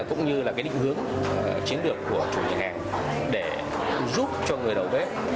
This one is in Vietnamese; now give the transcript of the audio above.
cũng như là cái định hướng chiến lược của chủ nhà hàng để giúp cho người đầu bếp